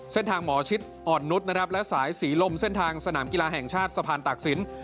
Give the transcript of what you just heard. เส้นทางหมอชิดอ่อนนุษย์นะครับและสายศรีลมเส้นทางสนามกีฬาแห่งชาติสะพานตากศิลป